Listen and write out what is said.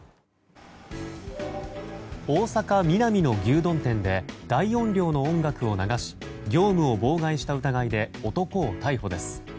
大阪・ミナミの牛丼店で大音量の音楽を流し業務を妨害した疑いで男を逮捕です。